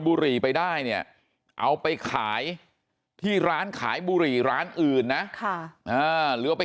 บุหรี่ไปได้เนี่ยเอาไปขายที่ร้านขายบุหรี่ร้านอื่นนะหรือว่าไป